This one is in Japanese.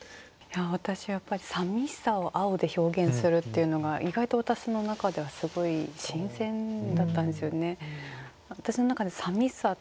私やっぱりさみしさを青で表現するっていうのが意外と私の中ではすごい新鮮だったんですよね。